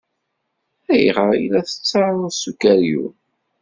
Ayɣer ay la tettaruḍ s ukeryun?